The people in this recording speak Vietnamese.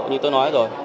như tôi nói rồi